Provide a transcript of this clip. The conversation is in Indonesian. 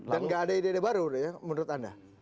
dan gak ada ide ide baru ya menurut anda